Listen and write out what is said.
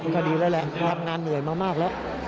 ก็ดีแล้วแหละทำงานเหนื่อยมามากแล้ว